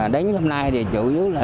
đến hôm nay thì chủ yếu là